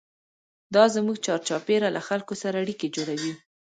دا زموږ چارچاپېره له خلکو سره اړیکې جوړوي.